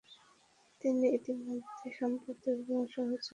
তিনি ইতোমধ্যেই সম্পাদক এবং সমালোচক হিসেবে ব্যাপকভাবে পরিচিতি লাভ করেন।